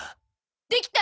できた？